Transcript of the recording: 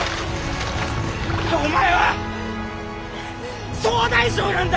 お前は総大将なんだ！